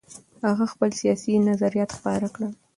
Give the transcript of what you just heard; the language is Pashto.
هغه خپل سیاسي نظریات خپاره کړل.